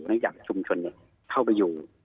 เนื่องจากชุมชนเข้าไปอยู่